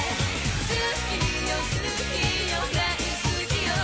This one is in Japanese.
好きよ好きよ大好きよ